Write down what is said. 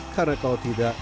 karena kalau tidak